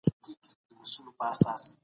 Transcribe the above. برابري د ټولني بنسټ پیاوړی کوي.